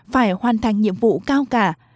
phải hoàn thành nhiệm vụ cao cả